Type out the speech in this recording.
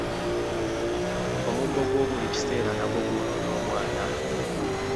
Omuggo ogwa buli kiseera nagwo gwonoona omwana.